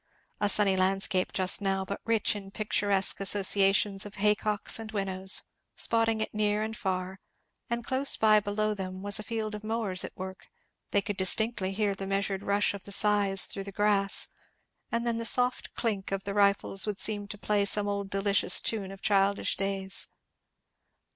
A sunny landscape just now; but rich in picturesque associations of hay cocks and winnows, spotting it near and far; and close by below them was a field of mowers at work; they could distinctly hear the measured rush of the scythes through the grass, and then the soft clink of the rifles would seem to play some old delicious tune of childish days.